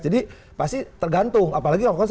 jadi pasti tergantung apalagi